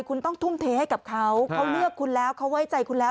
คุณต้องทุ่มเทให้กับเขาเขาเลือกคุณแล้วเขาไว้ใจคุณแล้ว